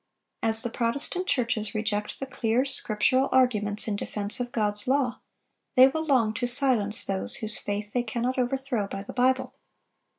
As the Protestant churches reject the clear, scriptural arguments in defense of God's law, they will long to silence those whose faith they cannot overthrow by the Bible.